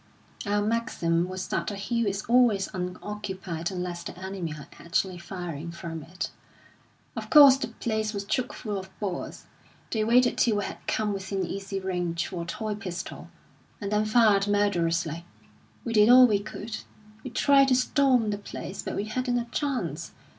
Our maxim was that a hill is always unoccupied unless the enemy are actually firing from it. Of course, the place was chock full of Boers; they waited till we had come within easy range for a toy pistol, and then fired murderously. We did all we could. We tried to storm the place, but we hadn't a chance.